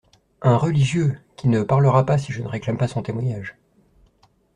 —«Un religieux … qui ne parlera pas, si je ne réclame pas son témoignage.